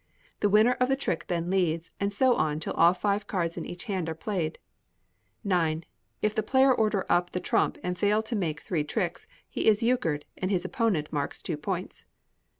The winner of the trick then leads: and so on till all the five cards in each hand are played. ix. If the player order up the trump and fail to make three tricks, he is euchred, and his opponent marks two points.